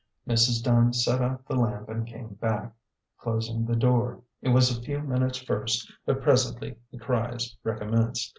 Mrs. Dunn set out the lamp and came back, closing the door. It was a few minutes first, but presently the cries recommenced.